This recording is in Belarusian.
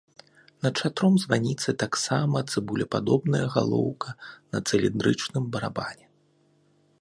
Над шатром званіцы таксама цыбулепадобная галоўка на цыліндрычным барабане.